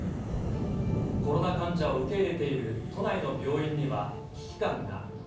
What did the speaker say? コロナ患者を受け入れている都内の病院には危機感が。